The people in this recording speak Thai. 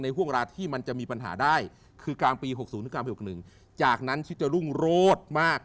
ห่วงเวลาที่มันจะมีปัญหาได้คือกลางปี๖๐คือกลางปี๖๑จากนั้นชิดจะรุ่งโรดมาก